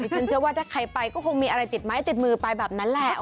ฉันเชื่อว่าถ้าใครไปก็คงมีอะไรติดไม้ติดมือไปแบบนั้นแหละ